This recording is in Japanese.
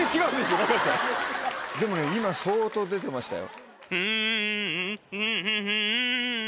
でもね今相当出てましたよ。